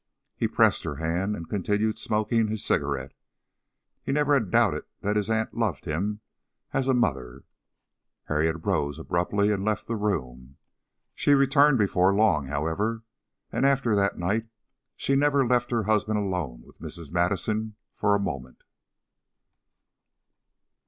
He pressed her hand, and continued smoking his cigarette; he never had doubted that his aunt loved him as a mother. Harriet rose abruptly and left the room. She returned before long, however, and after that night she never left her husband alone with Mrs. Madison for a moment.